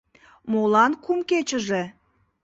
— Молан кум кечыже?